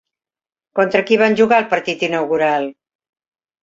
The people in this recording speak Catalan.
Contra qui van jugar el partit inaugural?